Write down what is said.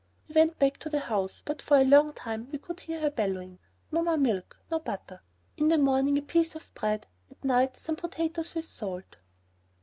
We went back to the house, but for a long time we could hear her bellowing. No more milk, no butter! In the morning a piece of bread, at night some potatoes with salt.